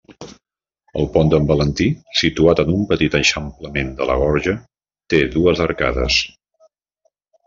El Pont d'en Valentí, situat en un petit eixamplament de la gorja, té dues arcades.